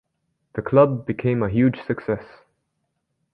The club became a huge success.